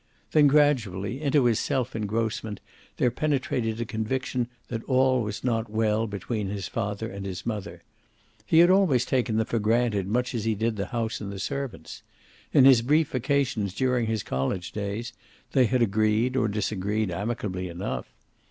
Then, gradually, into his self engrossment there penetrated a conviction that all was not well between his father and his mother. He had always taken them for granted much as he did the house and the servants. In his brief vacations during his college days they had agreed or disagreed, amicably enough.